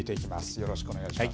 よろしくお願いします。